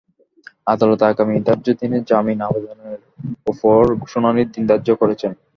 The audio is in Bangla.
আদালত আগামী ধার্য দিনে জামিন আবেদনের ওপর শুনানির দিন ধার্য করেছেন।